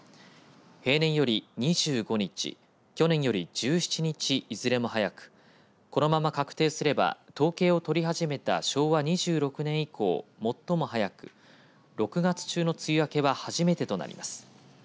平年より２５日去年より１７日、いずれも早くこのまま確定すれば、統計を取り始めた昭和２６年以降最も早く６月中の梅雨明けは初めてとなります。